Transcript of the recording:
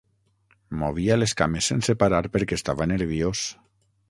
Movia les cames sense parar perquè estava nerviós.